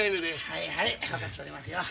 はいはい分かっとりますよ。